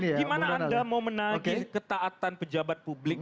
itu prinsip gimana anda mau menaiki ketaatan pejabat publik